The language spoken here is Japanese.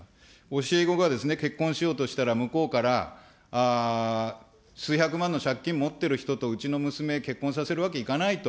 教え子が結婚しようとしたら、向こうから数百万の借金持ってる人とうちの娘、結婚させるわけいかないと。